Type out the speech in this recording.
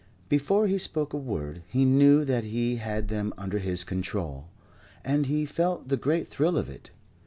Before he spoke a word, he knew that he had them under his control, and he felt the great thrill of it.